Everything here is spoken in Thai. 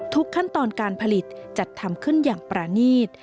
ทุกขั้นตอนการผลิตจัดทำคุณอย่างปรณีต